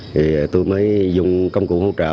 thì tôi mới dùng công cụ hỗ trợ